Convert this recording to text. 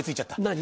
何？